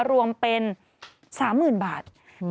ทำเป็น๓๐๐๐๐บาท